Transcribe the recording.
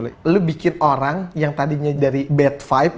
lu bikin orang yang tadinya dari bad vibe